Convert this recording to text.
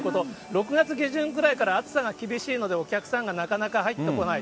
６月下旬ぐらいから、暑さが厳しいのでお客さんがなかなか入ってこない。